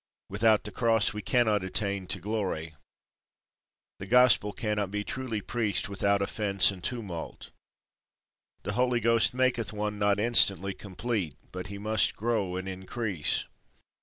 Without the Cross we cannot attain to glory. The Gospel cannot be truly preached without offence and tumult. The Holy Ghost maketh one not instantly complete, but he must grow and increase.